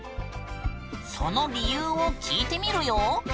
その理由を聞いてみるよ。